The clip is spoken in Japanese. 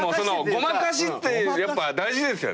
ごまかしってやっぱ大事ですよね。